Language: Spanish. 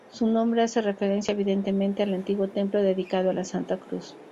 Su nombre hace referencia, evidentemente, al antiguo templo dedicado a la Santa Cruz.